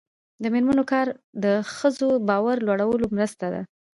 د میرمنو کار د ښځو باور لوړولو مرسته ده.